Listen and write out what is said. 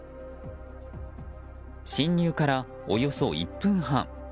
侵入からおよそ１分半。